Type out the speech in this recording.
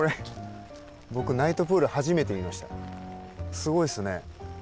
すごいですね。